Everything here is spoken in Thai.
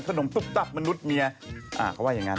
ตุ๊บตับมนุษย์เมียเขาว่าอย่างนั้น